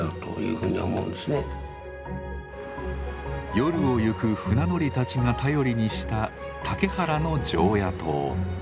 夜を行く船乗りたちが頼りにした竹原の常夜灯。